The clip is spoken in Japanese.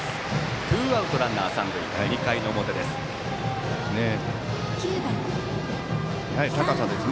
ツーアウトランナー、三塁２回の表です。